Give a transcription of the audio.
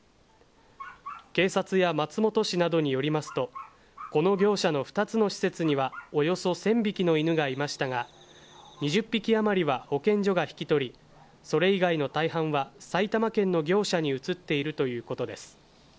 警察や松本市などによりますと、この業者の２つの施設には、およそ１０００匹の犬がいましたが、２０匹余りは保健所が引き取り、それ以外の大半は埼玉県の業者に移っているということです。